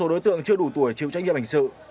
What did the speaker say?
có một số đối tượng chưa đủ tuổi chịu trách nhiệm hành sự